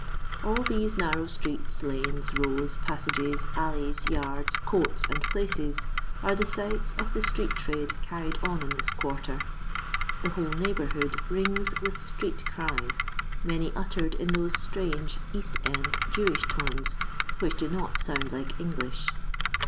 All these narrow streets, lanes, rows, pas sages, alleys, yards, courts, and places, are the sites of the street trade carried on in this quarter. The whole neighbourhood rings with street cries, many uttered in those strange east end Jewish tones which do not sound like Knglish.